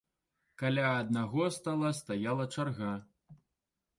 Каля аднаго стала стаяла чарга.